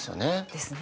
ですね。